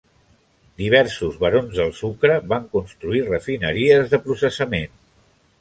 Diversos barons del sucre van construir refineries de processament.